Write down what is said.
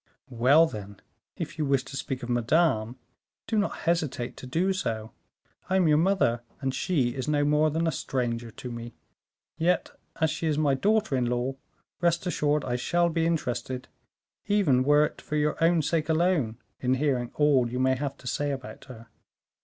"Well, then, if you wish to speak of Madame, do not hesitate to do so. I am your mother, and she is no more than a stranger to me. Yet, as she is my daughter in law, rest assured I shall be interested, even were it for your own sake alone, in hearing all you may have to say about her."